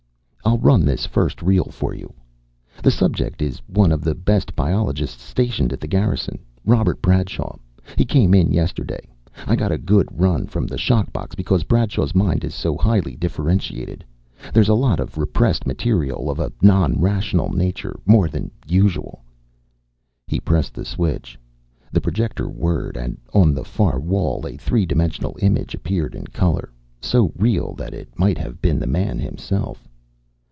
"I'll run this first reel for you. The subject is one of the best biologists stationed at the Garrison. Robert Bradshaw. He came in yesterday. I got a good run from the shock box because Bradshaw's mind is so highly differentiated. There's a lot of repressed material of a non rational nature, more than usual." He pressed a switch. The projector whirred, and on the far wall a three dimensional image appeared in color, so real that it might have been the man himself.